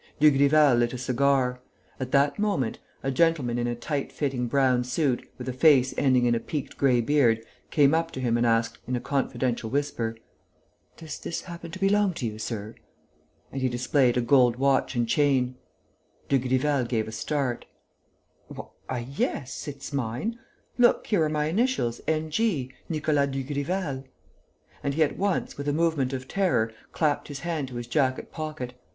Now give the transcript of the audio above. Dugrival lit a cigar. At that moment, a gentleman in a tight fitting brown suit, with a face ending in a peaked grey beard, came up to him and asked, in a confidential whisper: "Does this happen to belong to you, sir?" And he displayed a gold watch and chain. Dugrival gave a start: "Why, yes ... it's mine.... Look, here are my initials, N. G.: Nicolas Dugrival!" And he at once, with a movement of terror, clapped his hand to his jacket pocket.